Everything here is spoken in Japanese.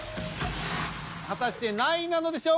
果たして何位なのでしょうか？